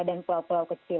dan pula pula kecil